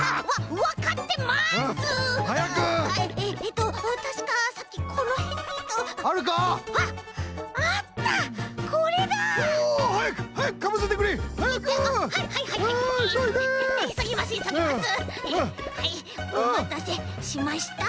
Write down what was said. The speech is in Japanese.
おまたせしました。